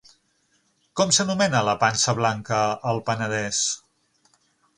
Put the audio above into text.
Com s'anomena la pansa blanca al Penedès?